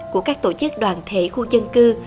của các tổ chức đoàn thể khu dân cư